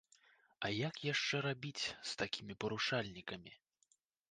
А як яшчэ рабіць з такімі парушальнікамі?